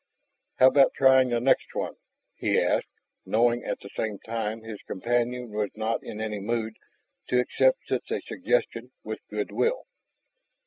"How about trying the next one?" he asked, knowing at the same time his companion was not in any mood to accept such a suggestion with good will.